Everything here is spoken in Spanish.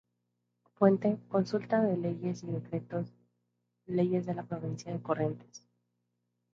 Fuente: Consultas de Leyes y Decretos Leyes de la Provincia de Corrientes